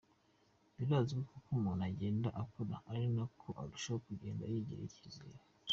Birazwi ko uko umuntu agenda akura ari nako arushaho kugenda yigirira icyizere.